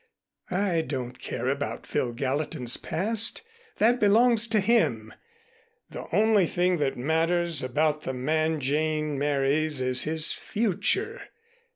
I don't care about Phil Gallatin's past. That belongs to him. The only thing that matters about the man Jane marries is his future.